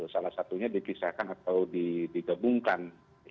salah satunya dipisahkan atau digabungkan